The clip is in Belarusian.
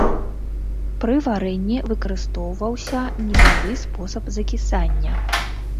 Пры варэнні выкарыстоўваўся нізавы спосаб закісання.